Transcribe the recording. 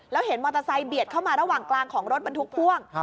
แล้วเห็นมอเตอร์ไซค์เบียดเข้ามาระหว่างกลางของรถบรรทุกพ่วง